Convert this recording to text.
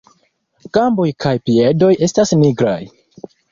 Gamboj kaj piedoj estas nigraj.